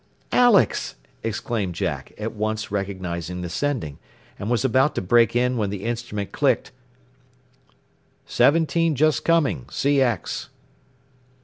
"Alex!" exclaimed Jack, at once recognizing the sending; and was about to break in when the instrument clicked, "17 just coming CX."